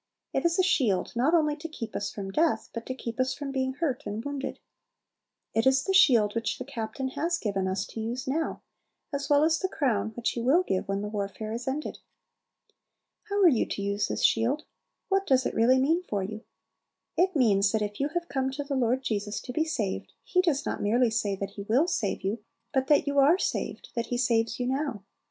It is a shield not only to keep us from death, but to keep us from being hurt and wounded. It is the shield which the Captain has given us to use now, as well as the crown which He will give when the warfare is ended. How are you to use this shield? what does it really mean for you? It means, that if you have come to the Lord Jesus to be saved, He does not merely say He will save you, but that you are saved, that He saves you now.